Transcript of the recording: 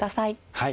はい。